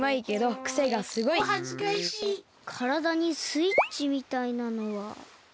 からだにスイッチみたいなのはないですね。